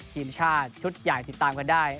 ทีมชาติชุดใหญ่ติดตามกันได้